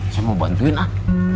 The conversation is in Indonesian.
saya mau bantuin ah